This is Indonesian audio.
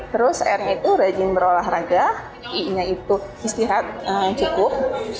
terus r nya itu rajin berolahraga i nya itu istirahat yang cukup